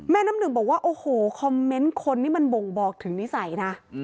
น้ำหนึ่งบอกว่าโอ้โหคอมเมนต์คนนี่มันบ่งบอกถึงนิสัยนะ